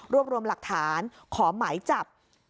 รวมรวมหลักฐานขอหมายจับ